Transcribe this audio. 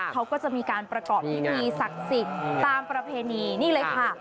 เขาก็จะมีการประกอบพิธีศักดิ์สิทธิ์ตามประเพณีนี่เลยค่ะ